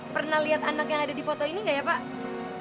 pernah lihat anak yang ada di foto ini nggak ya pak